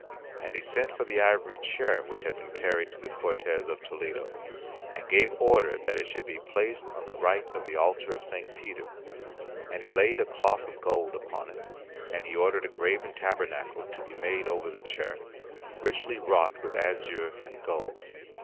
And he sent for the ivory chair which had been carried to the Cortes of Toledo, and gave order that it should be placed on the right of the altar of St. Peter; and he laid a cloth of gold upon it, and he ordered a graven tabernacle to be made over the chair, richly wrought with azure and gold.